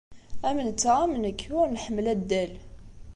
Am netta, am nekk, ur nḥemmel addal.